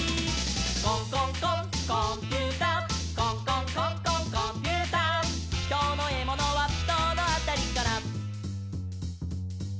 「コンコンコンコンピューター」「コンコンコンコンコンピューター」「きょうのエモノはどのあたりかな」